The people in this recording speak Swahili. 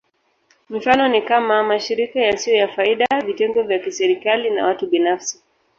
Mifano ni kama: mashirika yasiyo ya faida, vitengo vya kiserikali, na watu binafsi.